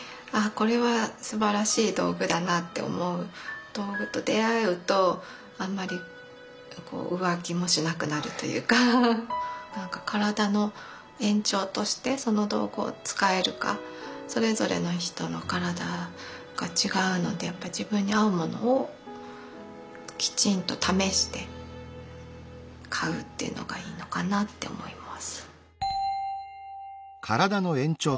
これはすばらしい道具だなって思う道具と出会うとあんまり浮気もしなくなるというかなんか体の延長としてその道具を使えるかそれぞれの人の体が違うのでやっぱ自分に合うものをきちんと試して買うっていうのがいいのかなと思います。